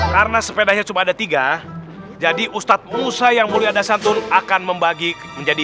karena sepedanya cuma ada tiga jadi ustadz musa yang mulia dasantun akan membagi menjadi